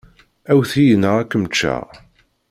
Awwet-iyi neɣ ad kem-ččeɣ.